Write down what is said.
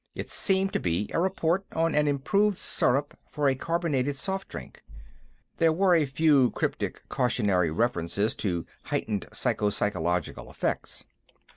It seemed to be a report on an improved syrup for a carbonated soft drink. There were a few cryptic cautionary references to heightened physico psychological effects.